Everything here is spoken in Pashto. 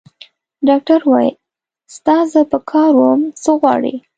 ډاکټر وویل: ستا زه په کار وم؟ څه غواړې؟